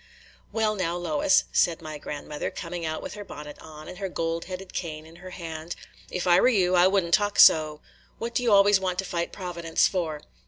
"Well now, Lois," said my grandmother, coming out with her bonnet on, and her gold headed cane in her hand, "if I were you, I would n't talk so. What do you always want to fight Providence for?"